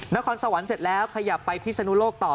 นครสวรรค์เสร็จแล้วขยับไปพิศนุโลกต่อ